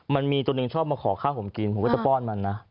มันมีตัวหนึ่งชอบมาขอข้าวผมกินผมก็จะป้อนมันนะ